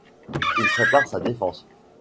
Il prépare sa défense.